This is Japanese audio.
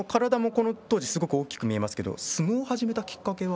この当時体も大きく見えますが相撲を始めたきっかけは？